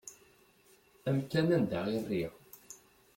Amkan anda i rriɣ.